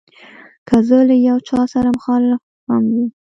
که زه له یو چا سره مخالف هم یم.